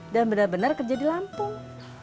dan benar benar kerja di lampung